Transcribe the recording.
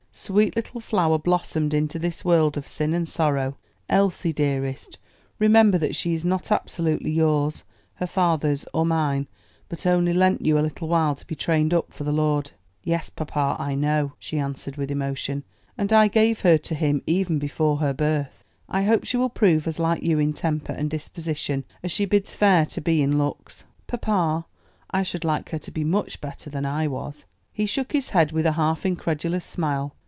"Sweet little flower blossomed into this world of sin and sorrow! Elsie, dearest, remember that she is not absolutely yours, her father's, or mine; but only lent you a little while to be trained up for the Lord." "Yes, papa, I know," she answered with emotion, "and I gave her to Him even before her birth." "I hope she will prove as like you in temper and disposition as she bids fair to be in looks." "Papa, I should like her to be much better than I was." He shook his head with a half incredulous smile.